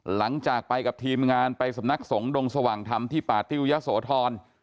หลังจากไปกับทีมงานไปสำนักสงฆ์ดงสว่างธรรมที่ป่าติ้วยะโสธร